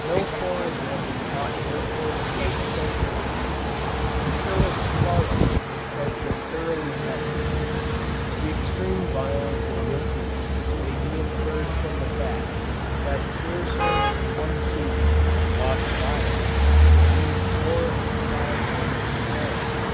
No foreign honey ought therefore to be extensively used, until its quality has been thoroughly tested. The extreme violence of this disease may be inferred from the fact, that Dzierzon in one season, lost by it, between four and five hundred colonies!